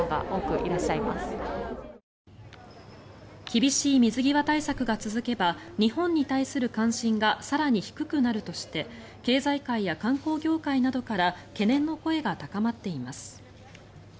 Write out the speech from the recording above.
厳しい水際対策が続けば日本に対する関心が更に低くなるとして経済界や観光業界などから懸念の声が高まっています。